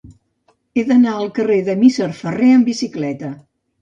He d'anar al carrer del Misser Ferrer amb bicicleta.